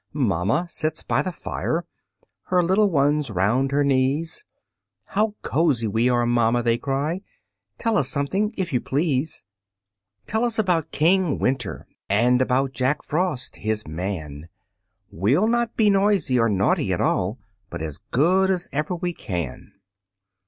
Mamma sits by the fire Her little ones round her knees. "How cosy we are, Mamma," they cry, "Tell us something, if you please." "Tell us about King Winter, And about Jack Frost, his man; We'll not be noisy or naughty at all, But as good as ever we can."